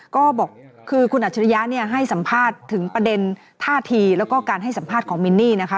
คุณอาชริยะให้สัมภาษณ์ถึงประเด็นท่าทีแล้วก็การให้สัมภาษณ์ของมินนี่นะคะ